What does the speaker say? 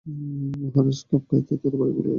মহারাজ খাপ হইতে তরবারি খুলিলেন।